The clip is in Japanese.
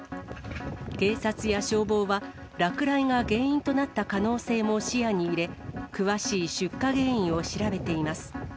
警察や消防は、落雷が原因となった可能性も視野に入れ、詳しい出火原因を調べています。